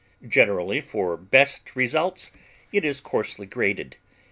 Generally, for best results it is coarsely grated.